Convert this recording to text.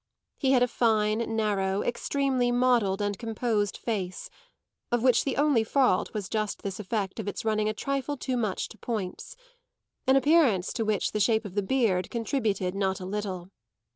He had a fine, narrow, extremely modelled and composed face, of which the only fault was just this effect of its running a trifle too much to points; an appearance to which the shape of the beard contributed not a little.